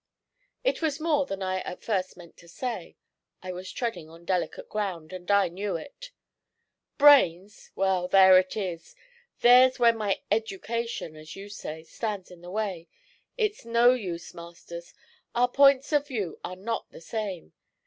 It was more than I at first meant to say. I was treading on delicate ground, and I knew it. 'Brains! Well, there it is! There's where my "education," as you say, stands in the way. It's no use, Masters, our points of view are not the same.